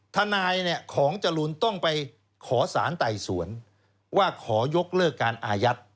ทนายของจรูนต้องไปขอสารไต่สวนว่าขอยกเลิกการอายัด